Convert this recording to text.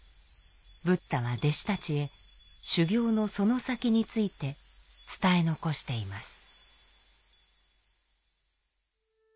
ブッダは弟子たちへ修行のその先について伝え残しています。